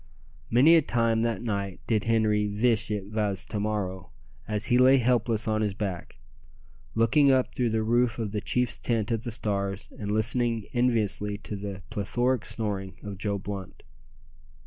Many a time that night did Henri "veesh it vas to morrow," as he lay helpless on his back, looking up through the roof of the chief's tent at the stars, and listening enviously to the plethoric snoring of Joe Blunt.